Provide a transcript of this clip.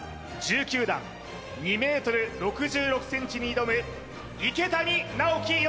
１９段２ｍ６６ｃｍに挑む池谷直樹